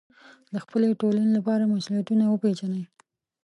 د خپلې ټولنې لپاره مسوولیتونه وپېژنئ.